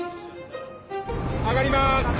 上がります。